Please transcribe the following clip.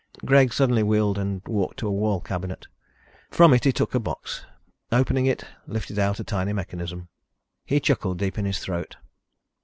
Greg suddenly wheeled and walked to a wall cabinet. From it he took a box and, opening it, lifted out a tiny mechanism. He chuckled deep in his throat.